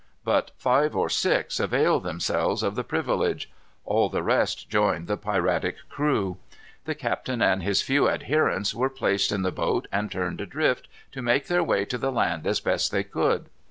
But five or six availed themselves of the privilege. All the rest joined the piratic crew. The captain and his few adherents were placed in the boat and turned adrift, to make their way to the land as best they could.